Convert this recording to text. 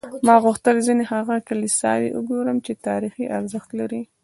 ما غوښتل ځینې هغه کلیساوې وګورم چې تاریخي ارزښت لري.